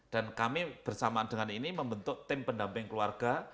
dan kami bersama dengan ini membentuk tim pendamping keluarga